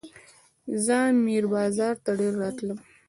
زه میر بازار ته ډېر راتلم.